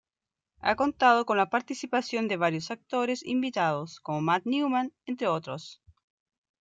Ha contado con la participación de varios actores invitados, como Matt Newman, entre otros...